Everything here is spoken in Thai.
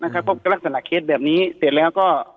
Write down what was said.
ก็ลักษณะเคสแบบนี้เสร็จแล้วก็